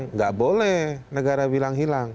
nggak boleh negara bilang hilang